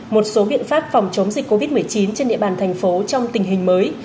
một số biện pháp phòng chống dịch covid một mươi chín trên địa bàn thành phố trong tình hình mới